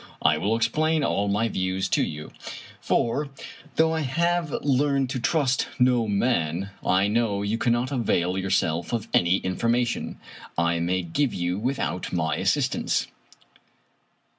I will explain all my views to you ; for, though I have learned to trust no man, I know you cannot avail yourself of any information I may give you without my assistance."